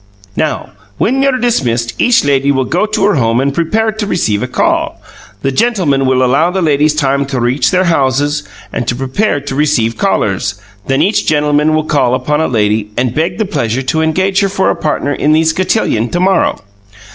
"Now, when you're dismissed each lady will go to her home and prepare to receive a call. The gentlemen will allow the ladies time to reach their houses and to prepare to receive callers; then each gentleman will call upon a lady and beg the pleasure to engage her for a partner in the cotillon to morrow.